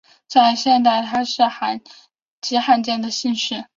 在现代它是极罕见的姓氏。